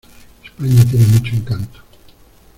España tiene mucho encanto.